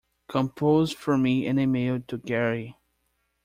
Compose for me an email to Gary.